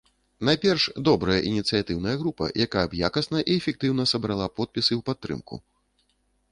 Найперш, добрая ініцыятыўная група, якая б якасна і эфектыўна сабрала подпісы ў падтрымку.